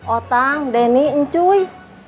otang deni ncuy